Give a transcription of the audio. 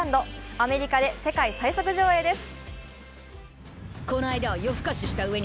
アメリカで世界最速上映です。